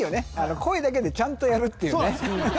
声だけでちゃんとやるっていうね